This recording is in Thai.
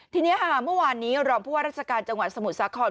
ทีนี้ค่ะเมื่อวานนี้รองผู้ว่าราชการจังหวัดสมุทรสาคร